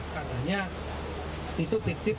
katanya itu titip